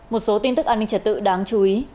một số tin tức an ninh trật tự đáng chú ý